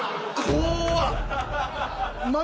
怖っ！